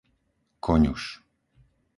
Koňuš